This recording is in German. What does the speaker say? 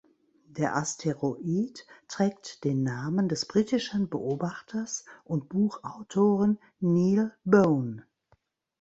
Der Asteroid trägt den Namen des britischen Beobachters und Buchautoren "Neil Bone".